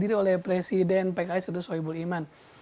dihadir oleh presiden pks yaitu soebul iman